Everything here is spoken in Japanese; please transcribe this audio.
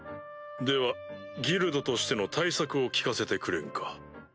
ではギルドとしての対策を聞かせてくれんか？